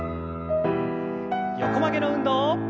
横曲げの運動。